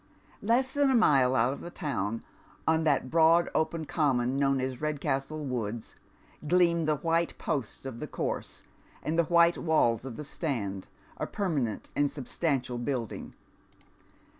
Less than a mile out of the town, on that broad open common known as Redcastle Woods, gleam the white posts of the course, and the white walls of the stand, a periiiR aent and substantial building.